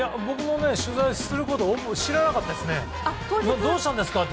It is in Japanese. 僕も取材することを知らなかったんです。